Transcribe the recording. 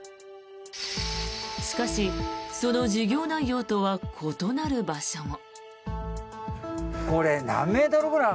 しかしその事業内容とは異なる場所も。